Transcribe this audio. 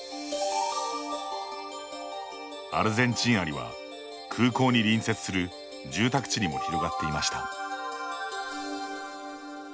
アルゼンチンアリは空港に隣接する住宅地にも広がっていました。